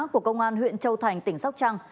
của công an huyện châu thành tỉnh sóc trăng